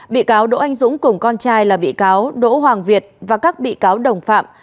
bị cáo đỗ anh dũng cùng con trai là bị cáo đỗ hoàng việt và các bị cáo đồng phạm